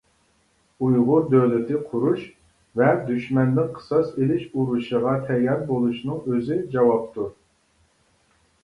ئۇيغۇر دۆلىتى قۇرۇش ۋە دۈشمەندىن قىساس ئېلىش ئۇرۇشىغا تەييار بولۇشنىڭ ئۆزى جاۋابتۇر.